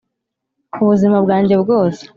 ubuzima bwanjye bwose